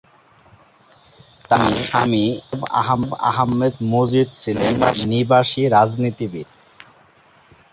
তার স্বামী এসএম আহমেদ মজিদ ছিলেন নিবাসী রাজনীতিবিদ।